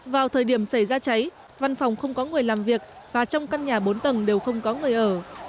vào thời điểm xảy ra cháy văn phòng không có người làm việc và trong căn nhà bốn tầng đều không có người ở